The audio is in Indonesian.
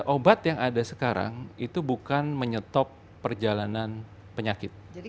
obat yang ada sekarang itu bukan menyetop perjalanan penyakit